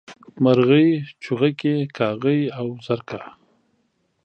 مرغۍ، چوغکي کاغۍ او زرکه